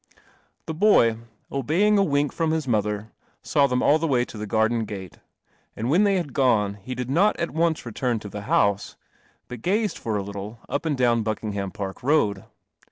The boy, obeying a wink from his mother, saw them all the way to the garden gate, and when they had gone he did not at once return to the house, but gazed for a little up and down Buckingham Park Road.